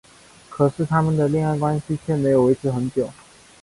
可是他们的恋爱关系却没有维持很久。